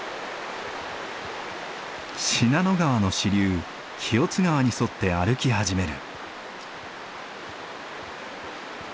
信濃川の支流清津川に沿って歩き始める。